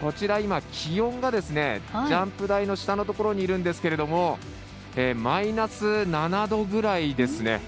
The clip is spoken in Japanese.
こちら今、気温がジャンプ台の下のところにいるんですけれどもマイナス７度ぐらいですね。